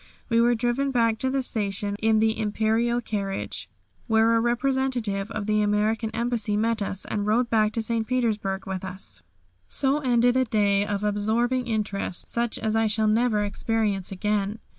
We were driven back to the station in the Imperial carriage, where a representative of the American Embassy met us and rode back to St. Petersburg with us. So ended a day of absorbing interest such as I shall never experience again.